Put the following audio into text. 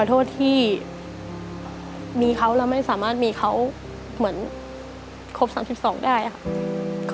โทษที่มีเขาแล้วไม่สามารถมีเขาเหมือนครบ๓๒ได้ค่ะ